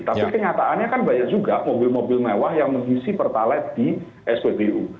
tapi kenyataannya kan banyak juga mobil mobil mewah yang mengisi pertalite di spbu